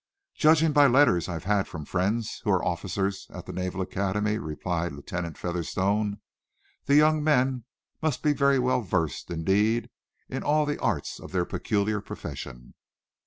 "Judging by letters I've had from friends who are officers at the Naval Academy," replied Lieutenant Featherstone, "the young men must be very well versed, indeed, in all the arts of their peculiar profession."